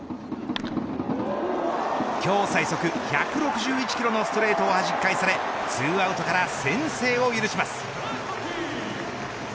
今日最速１６１キロのストレートをはじき返され２アウトから先制を許します。